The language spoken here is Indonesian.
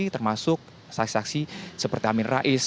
termasuk saksi saksi seperti amin rais